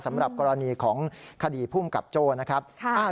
สำหรับกรณีของคดีภูมิกับโจ้นะครับ